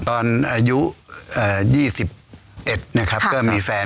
ตอนอายุ๒๑มีแฟน